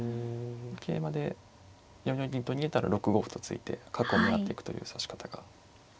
桂馬で４四銀と逃げたら６五歩と突いて角を狙っていくという指し方が。